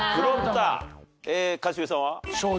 一茂さんは？